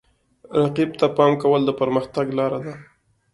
رقیب ته پام کول د پرمختګ لاره ده.